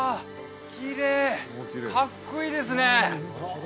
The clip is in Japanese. きれいかっこいいですね